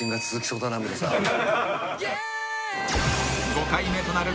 ［５回目となる］